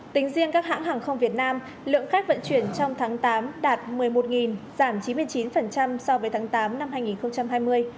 tính riêng các hãng hàng không việt nam lượng khách vận chuyển trong tháng tám đạt một mươi một giảm chín mươi chín so với tháng tám năm hai nghìn hai mươi